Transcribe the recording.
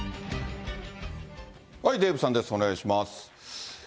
デーブさんです、お願いします。